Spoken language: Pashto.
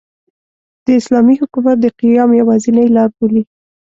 د اسلامي حکومت د قیام یوازینۍ لاربولي.